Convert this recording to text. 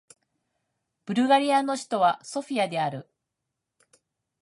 ブルガリアの首都はソフィアである